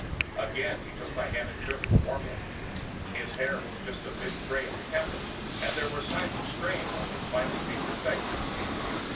Again He took my hand and shook it, warmly. His hair is just a bit gray at the temples, and there are signs of strain on His finely featured face.